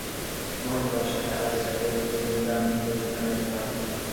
মহেন্দ্র আশাকে আড়ালে ডাকিয়া লইয়া কহিল, আমি একটা ওষুধ আনাইতে পাঠাইলাম।